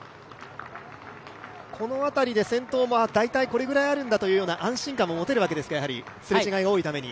この辺りで先頭、大体これぐらいあるんだという安心もあるわけですか、すれ違いが多いために。